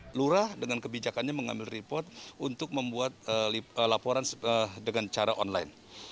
lurah dengan kebijakannya mengambil report untuk membuat laporan dengan cara online